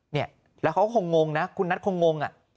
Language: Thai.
เนี่ยแล้วเขาคงงงนะคุณนัทคงงง